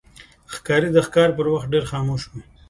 ښکاري د ښکار پر وخت ډېر خاموش وي.